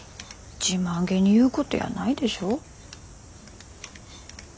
自慢気に言うことやないでしょ。